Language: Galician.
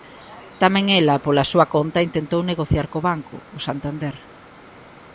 Tamén ela, pola súa conta, intentou negociar co banco, o Santander.